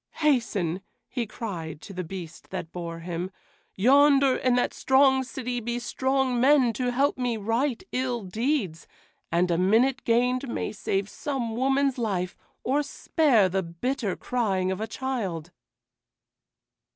"Hasten!" he cried to the beast that bore him. "Yonder in that strong city be strong men to help me right ill deeds, and a minute gained may save some woman's life, or spare the bitter crying of a child."